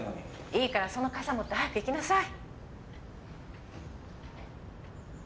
いいからその傘持って早く行きなさい。